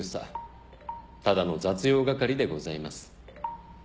ただの雑用係でございます。